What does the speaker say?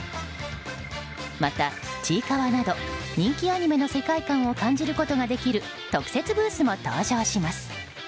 また、「ちいかわ」など人気アニメの世界観を感じることができる特設ブースも登場します。